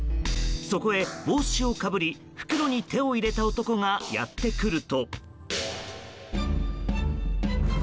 そこへ帽子をかぶり、袋に手を入れた男がやってくると。